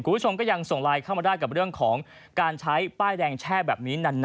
คุณผู้ชมก็ยังส่งไลน์เข้ามาได้กับเรื่องของการใช้ป้ายแดงแช่แบบนี้นาน